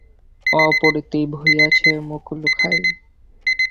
অপ্রতিভ হইয়া সে মুখ লুকায়।